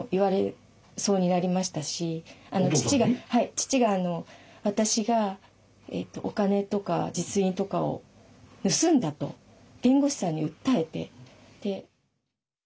父が私がお金とか実印とかを盗んだと弁護士さんに訴えて。